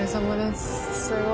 すごい。